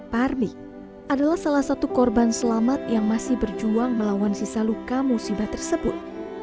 parmi adalah salah satu korban selamat yang masih berjuang melawan sisa luka musibah tersebut